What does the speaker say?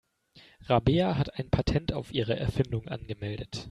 Rabea hat ein Patent auf ihre Erfindung angemeldet.